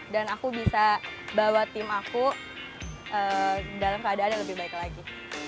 dan aku bisa bawa tim aku dalam keadaan yang lebih baik lagi